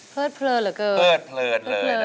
เผิดเพลินเหรอเกิน